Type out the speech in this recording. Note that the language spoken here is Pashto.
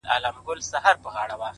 په تهمتونو کي بلا غمونو ـ